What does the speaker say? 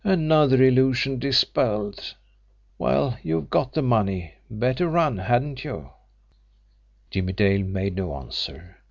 Another illusion dispelled! Well, you've got the money better run, hadn't you?" Jimmie Dale made no answer.